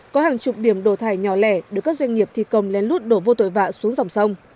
có hàng chục điểm đổ thải nhỏ lẻ được các doanh nghiệp thi công lén lút đổ vô tội vạ xuống dòng sông